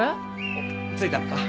おっ着いたのか。